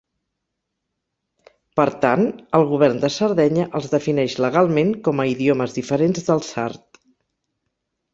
Per tant, el govern de Sardenya els defineix legalment com a idiomes diferents del sard.